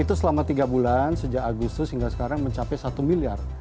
itu selama tiga bulan sejak agustus hingga sekarang mencapai satu miliar